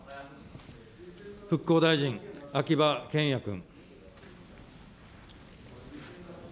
復興大臣、秋葉賢也君。